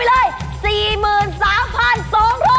เอาไปเลย๔๓๒๐๐บาท